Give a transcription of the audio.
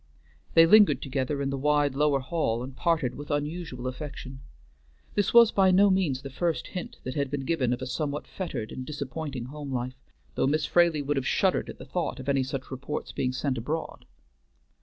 They lingered together in the wide lower hall, and parted with unusual affection. This was by no means the first hint that had been given of a somewhat fettered and disappointing home life, though Miss Fraley would have shuddered at the thought of any such report's being sent abroad.